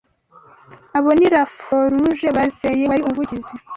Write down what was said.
Abo ni LaForuge Bazeye wari umuvugizi